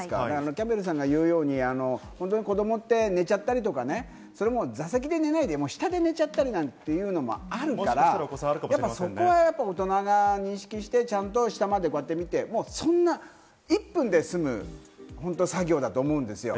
キャンベルさんが言うように、子供って寝ちゃったりとか、座席で寝ないで下で寝ちゃったりというのもあるから、そこは大人が認識して、ちゃんと下まで見て、１分で済む作業だと思うんですよ。